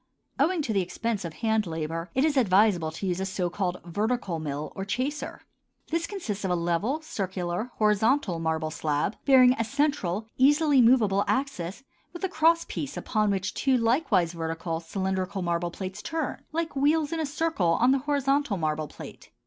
Owing to the expense of hand labor, it is advisable to use a so called vertical mill or chaser. This consists of a level, circular, horizontal marble slab, bearing a central, easily movable axis with a crosspiece upon which two, likewise vertical, cylindrical marble plates turn like wheels in a circle on the horizontal marble plate.